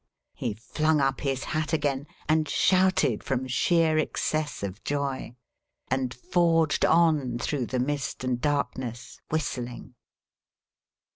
He flung up his hat again and shouted from sheer excess of joy, and forged on through the mist and darkness whistling.